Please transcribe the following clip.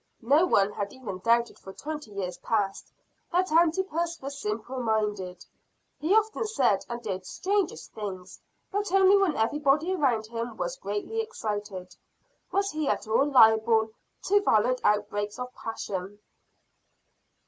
No one had even doubted for twenty years past, that Antipas was simple minded. He often said and did strange things; but only when everybody around him was greatly excited, was he at all liable to violent outbreaks of passion.